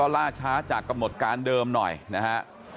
ล่าช้ากับหมดการเดิมน่ะ